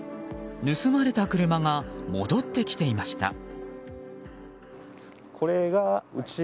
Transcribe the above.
盗まれた車が戻ってきていました。